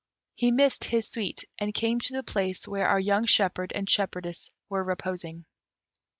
He missed his suite, and came to the place where our young shepherd and shepherdess were reposing.